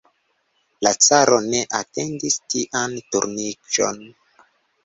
La caro ne atendis tian turniĝon.